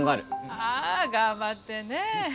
ああ頑張ってね。